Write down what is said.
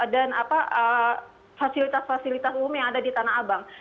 dan fasilitas fasilitas umum yang ada di tanah abang